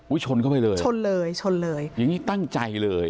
ชนเข้าไปเลยชนเลยชนเลยอย่างงี้ตั้งใจเลย